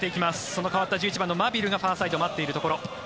その代わった１１番のマビルがファーサイド待っているところ。